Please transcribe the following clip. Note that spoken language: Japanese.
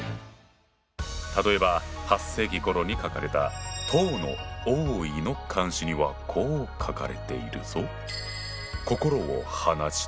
例えば８世紀ごろに書かれた唐の王維の漢詩にはこう書かれているぞ。